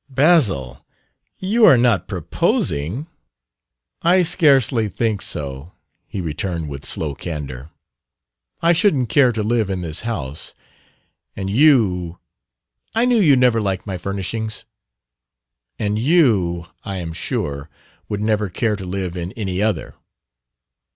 "Basil, you are not proposing?" "I scarcely think so," he returned, with slow candor. "I shouldn't care to live in this house; and you " "I knew you never liked my furnishings!" " and you, I am sure, would never care to live in any other."